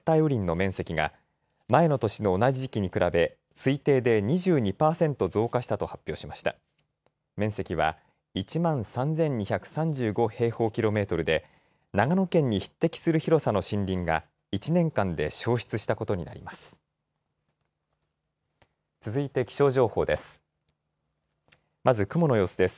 面積は１万３２３５平方キロメートルで長野県に匹敵する広さの森林が１年間で消失したことになります。